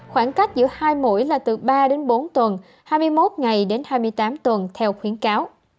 khoảng cách giữa hai mũi là từ ba đến bốn tuần hai mươi một ngày đến hai mươi tám tuần theo khuyến cáo